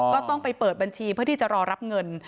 ก็ต้องไปเปิดบัญชีเพื่อที่จะรอรับเงิน